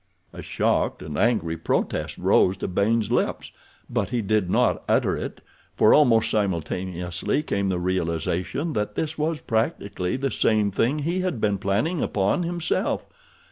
A shocked and angry protest rose to Baynes' lips; but he did not utter it, for almost simultaneously came the realization that this was practically the same thing he had been planning upon himself.